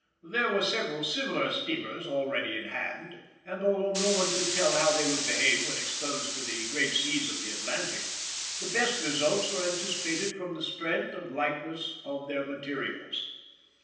There were several similar steamers already in hand, and although no one could tell how they would behave when exposed to the great seas of the Atlantic, the best results were anticipated from the strength and lightness of their materials.